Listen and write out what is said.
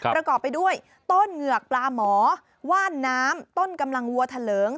ประกอบไปด้วยต้นเหงือกปลาหมอว่านน้ำต้นกำลังวัวทะเลิง